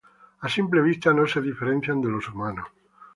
A simple vista no se diferencian de los humanos.